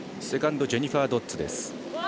セカンドジェニファー・ドッズです。